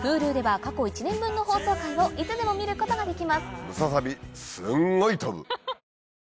Ｈｕｌｕでは過去１年分の放送回をいつでも見ることができます